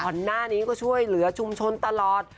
ก่อนหน้านี้ก็ช่วยเหลือชุมชนตลอด